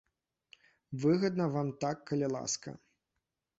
Выгадна вам так, калі ласка.